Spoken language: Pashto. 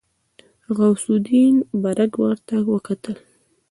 غوث الدين برګ ورته وکتل.